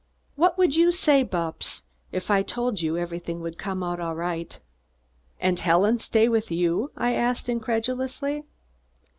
"What would you say, Bupps, if I told you everything would come out all right?" "And Helen stay with you?" I asked incredulously.